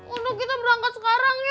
udah kita berangkat sekarang yuk